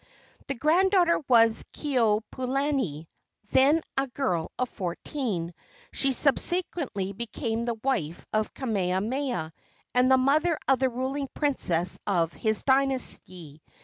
The granddaughter was Keopuolani, then a girl of fourteen. She subsequently became the wife of Kamehameha and the mother of the ruling princes of his dynasty.